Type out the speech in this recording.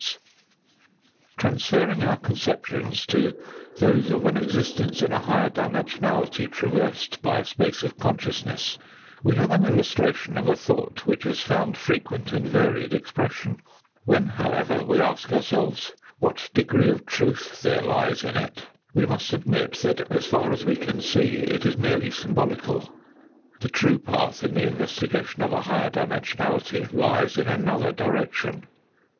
28 THE FOUIITH DIMENSION Transferring our conceptions to those of an existence in a higher dimensionality traversed by a space of con sciousness, we have an illustration of a thought which has found frequent and varied expression. When, however, we ask ourselves what degree of truth there lies in it, we must admit that, as far as we can see, it is merely sym bolical. The true path in the investigation of a higher dimensionality lies in another direction.